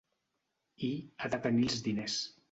I, ha de tenir els diners.